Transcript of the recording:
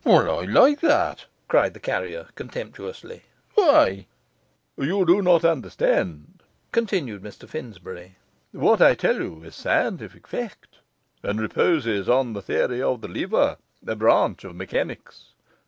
'Well, I like that!' cried the carrier contemptuously. 'Why?' 'You do not understand,' continued Mr Finsbury. 'What I tell you is a scientific fact, and reposes on the theory of the lever, a branch of mechanics.